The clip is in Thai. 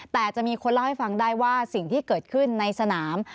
แต่จะมีคนเล่าให้ฟังได้ว่าสิ่งที่เกิดขึ้นในสนาม